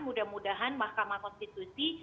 mudah mudahan mahkamah konstitusi